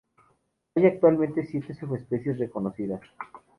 Hay actualmente siete subespecies reconocidas.